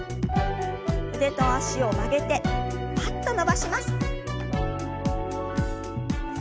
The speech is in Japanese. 腕と脚を曲げてパッと伸ばします。